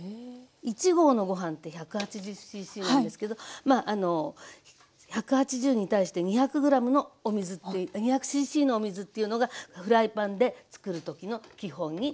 １合のご飯って１８０ｃｃなんですけどまあ１８０に対して２００ｇのお水って２００ｃｃのお水っていうのがフライパンでつくる時の基本になります。